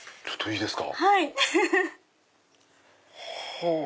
いいですか？